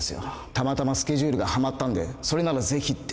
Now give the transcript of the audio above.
たまたまスケジュールがハマったんでそれならぜひって